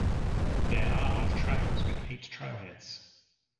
There are of trails with eight trailheads.